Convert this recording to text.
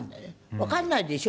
わかんないでしょ？